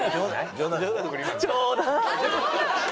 冗談？